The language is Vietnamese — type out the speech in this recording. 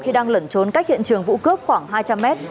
khi đang lẩn trốn cách hiện trường vụ cướp khoảng hai trăm linh mét